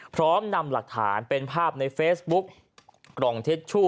พร้อมนำหลักฐานเป็นภาพในเฟซบุ๊กกล่องทิชชู่